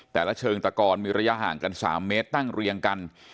เชิงตะกรมีระยะห่างกัน๓เมตรตั้งเรียงกัน